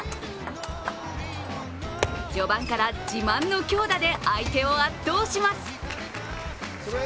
序盤から自慢の強打で相手を圧倒します。